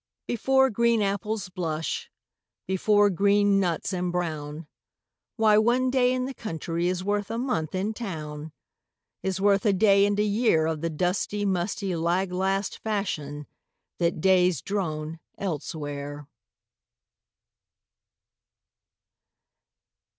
Before green apples blush, Before green nuts embrown, Why, one day in the country Is worth a month in town; Is worth a day and a year Of the dusty, musty, lag last fashion That days drone elsewhere.